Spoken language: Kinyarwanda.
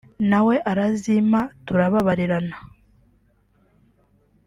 nawe arazimpa turababarirana